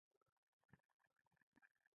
هغه ورځ به مي سي هېره جهاني د بېلتون چیغه